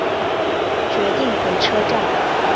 决定回车站